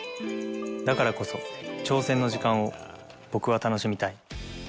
だからこそ、挑戦の時間を僕は楽しみたい。